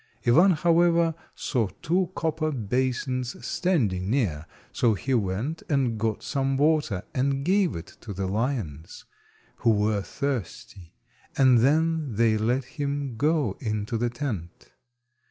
Ivan, however, saw two copper basins standing near, so he went and got some water and gave it to the lions, who were thirsty, and then they let him go into the tent.